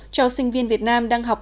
cho sinh viên việt nam đang học